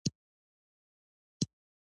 دوی غواړي هرڅه لمس او اندازه کړي